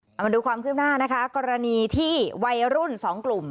เอามาดูความคืบหน้านะคะกรณีที่วัยรุ่นสองกลุ่ม